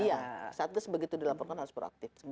iya satgas begitu dilaporkan harus proaktif